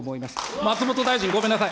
松本大臣、ごめんなさい。